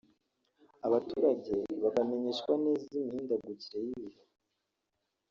abaturage bakamenyeshwa neza imihindagurikire y’ibihe